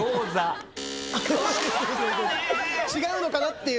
違うのかなっていう。